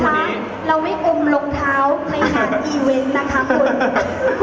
เราไม่อมรองเท้าในงานอีเวนต์นะคะคุณ